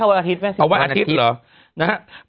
อาทิตย์เขาว่าอาทิตย์ไหม